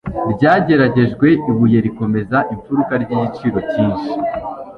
ryageragejwe, ibuye rikomeza imfuruka ry'igiciro cyinshi,